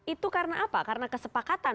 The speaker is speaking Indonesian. itu karena apa karena kesepakatan